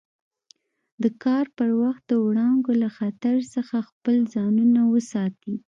د کار پر وخت د وړانګو له خطر څخه خپل ځانونه وساتي.